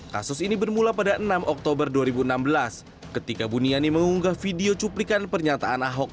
kasus ini bermula pada enam oktober dua ribu enam belas ketika buniani mengunggah video cuplikan pernyataan ahok